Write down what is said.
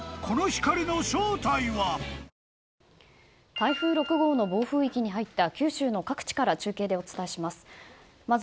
台風６号の暴風域に入った九州の各地から中継でお伝えします。